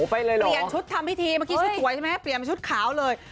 เปลี่ยนชุดทำพิธีเมื่อกี้ชุดสวยใช่ไหมเปลี่ยนชุดขาวเลย